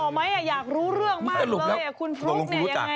ไหมอยากรู้เรื่องมากเลยคุณฟลุ๊กเนี่ยยังไง